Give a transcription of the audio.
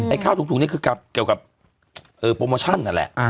ข้าวถุงนี้คือเกี่ยวกับโปรโมชั่นนั่นแหละ